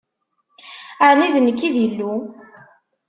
Ɛni d nekk i d Illu?